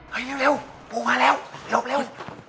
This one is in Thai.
เฮ้ยเร็วเร็วปูมาแล้วเร็วเร็ว